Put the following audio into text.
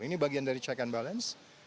ini bagian dari check and balance